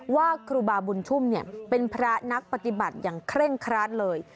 ว่าครูบาบุญชุ่มเป็นพระนักปฏิบัติอย่างเคร่งครัดเลย